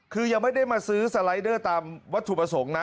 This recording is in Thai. คือยังไม่ได้มาซื้อสไลเดอร์ตามวัตถุประสงค์นะ